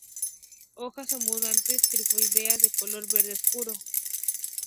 Hojas abundantes, trifoliadas, de color verde obscuro.